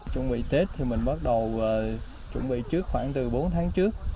chuẩn bị tết thì mình bắt đầu chuẩn bị trước khoảng từ bốn tháng trước